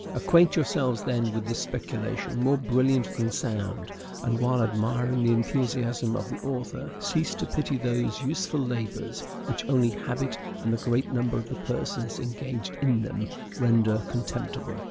Acquaint yourselves, then, with this speculation more brilliant than sound; and, while admiring the enthusiasm of the author, cease to pity those useful labors which only habit and the great number of the persons engaged in them render contemptible.